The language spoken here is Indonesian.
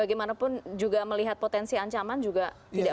jadi mana pun juga melihat potensi ancaman juga tidak perlu